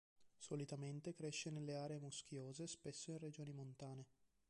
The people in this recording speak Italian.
Solitamente cresce nelle aree muschiose, spesso in regioni montane.